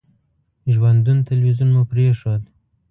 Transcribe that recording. ژوندون تلویزیون مو پرېښود.